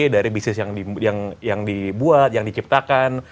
dari bisnis yang dibuat yang diciptakan